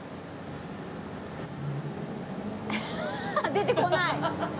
出てこない！